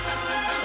saya sudah tidur